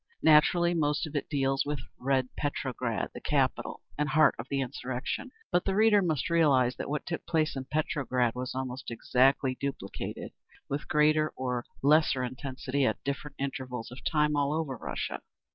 Naturally most of it deals with "Red Petrograd," the capital and heart of the insurrection. But the reader must realize that what took place in Petrograd was almost exactly duplicated, with greater or lesser intensity, at different intervals of time, all over Russia.